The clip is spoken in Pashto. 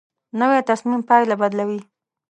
نوې تصمیم پایله بدلوي